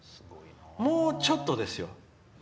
もうちょっとですよ。